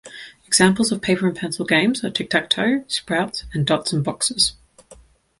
Examples of paper-and-pencil games are Tic-tac-toe, Sprouts, and Dots and Boxes.